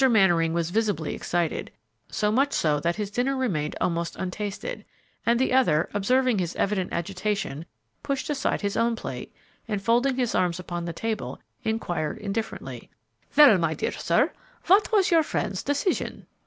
Mannering was visibly excited, so much so that his dinner remained almost untasted, and the other, observing his evident agitation, pushed aside his own plate and, folding his arms upon the table, inquired indifferently, "Well, my dear sir, what was your friend's decision?"